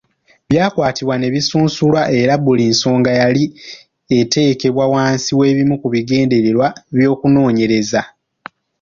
Byakwatibwa ne bisunsulwa era buli nsonga yali eteekebwa wansi w’ebimu ku bigendererwa by’okunoonyereza.